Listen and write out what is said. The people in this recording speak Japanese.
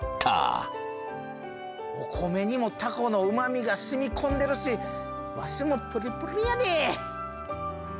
お米にもたこのうまみがしみ込んでるしわしもプリプリやで！